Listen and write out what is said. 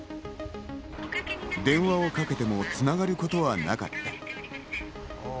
電話をかけても、つながることはなかった。